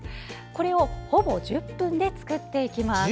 これをほぼ１０分で作っていきます。